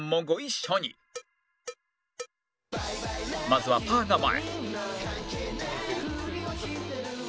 まずはパーが前